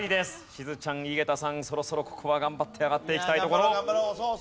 しずちゃん井桁さんそろそろここは頑張って上がっていきたいところ。